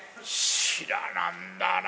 知らなんだな。